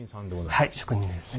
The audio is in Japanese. はい職人です。